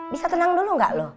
bisa tenang dulu enggak lu